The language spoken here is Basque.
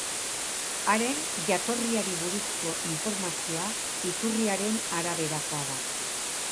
Haren jatorriari buruzko informazioa iturriaren araberakoa da.